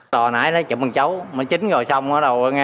hồi nãy nó chụp bằng chấu nó chín rồi xong